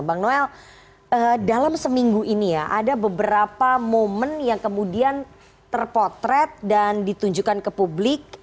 bang noel dalam seminggu ini ya ada beberapa momen yang kemudian terpotret dan ditunjukkan ke publik